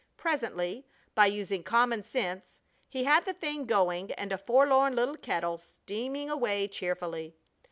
Presently, by using common sense, he had the thing going and a forlorn little kettle steaming away cheerfully.